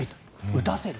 打たせる。